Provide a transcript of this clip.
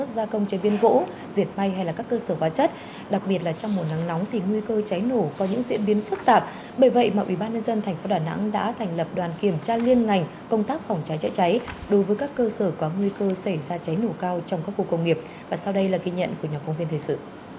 đối với các cơ sở có nguy cơ xảy ra cháy nổ cao trong các khu công nghiệp và sau đây là ghi nhận của nhà phóng viên thời sự